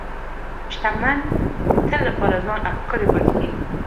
شتمن د تل لپاره ځوان او ښکلي پاتې کېږي.